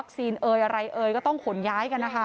วัคซีนอะไรก็ต้องขนย้ายกันนะคะ